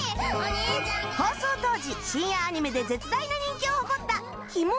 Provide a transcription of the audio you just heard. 放送当時深夜アニメで絶大な人気を誇った『干物妹！